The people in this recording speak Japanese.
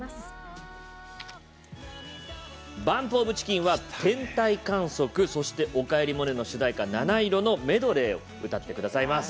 ＢＵＭＰＯＦＣＨＩＣＫＥＮは「天体観測」そして「おかえりモネ」の主題歌「なないろ」のメドレーを歌ってくださいます